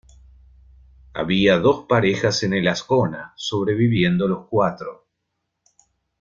Había dos parejas en el Ascona, sobreviviendo los cuatro.